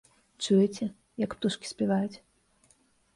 Чуеце, як птушкі спяваюць?